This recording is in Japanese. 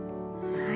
はい。